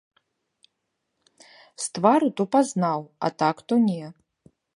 З твару то пазнаў, а так то не.